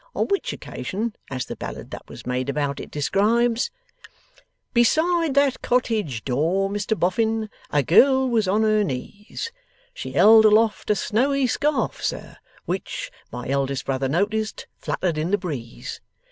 On which occasion, as the ballad that was made about it describes: 'Beside that cottage door, Mr Boffin, A girl was on her knees; She held aloft a snowy scarf, Sir, Which (my eldest brother noticed) fluttered in the breeze.